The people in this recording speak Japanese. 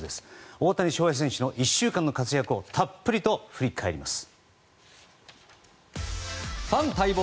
大谷翔平選手の１週間の活躍をたっぷりと振り返ります。